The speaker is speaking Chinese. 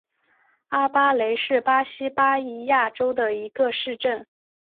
阿巴雷是巴西巴伊亚州的一个市镇。